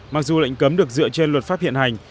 mặc dù lệnh cấm được dựa trên luật pháp hiện hành